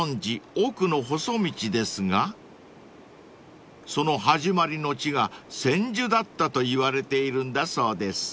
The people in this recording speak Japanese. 『奥の細道』ですがその始まりの地が千住だったといわれているんだそうです］